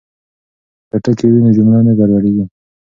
که ټکي وي نو جمله نه ګډوډیږي.